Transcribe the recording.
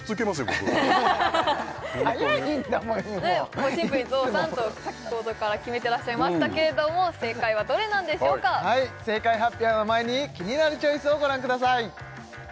僕早いんだもんシンプルにぞうさんと先ほどから決めてらっしゃいましたけれども正解はどれなんでしょうか正解発表の前に「キニナルチョイス」をご覧ください